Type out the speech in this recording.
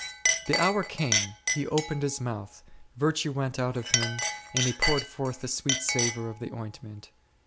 The hour came, He opened His mouth, virtue went out of Him, and He poured forth the sweet savour of the ointment.